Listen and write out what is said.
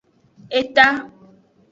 Eta.